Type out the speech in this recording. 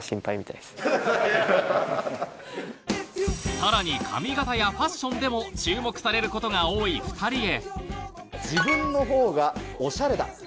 さらに髪形やファッションでも注目されることが多い２人へ。